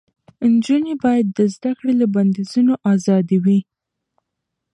نجونې باید د زده کړې له بندیزونو آزادې وي.